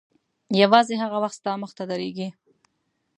یوازې هغه وخت ستا مخته درېږي.